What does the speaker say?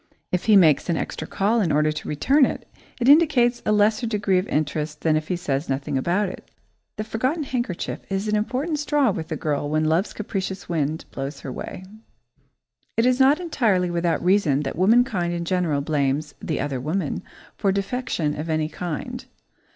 If he makes an extra call in order to return it, it indicates a lesser degree of interest than if he says nothing about it. The forgotten handkerchief is an important straw with a girl when love's capricious wind blows her way. It is not entirely without reason that womankind in general blames "the other woman" for defection of any kind.